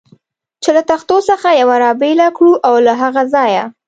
چې له تختو څخه یوه را بېله کړو او له هغه ځایه.